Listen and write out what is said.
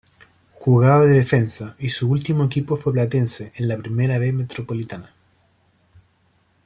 Jugaba de defensa y su último equipo fue Platense en la Primera B Metropolitana.